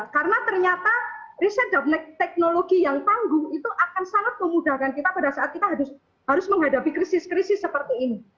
karena ternyata riset dan teknologi yang tangguh itu akan sangat memudahkan kita pada saat kita harus menghadapi krisis krisis seperti ini